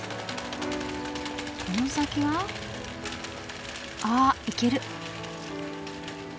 この先はあ行ける。